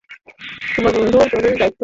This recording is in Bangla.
তোমার বন্ধু চলেই যাচ্ছিলো।